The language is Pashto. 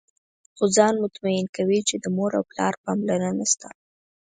خو ځان مطمئن کوي چې د مور او پلار پاملرنه شته.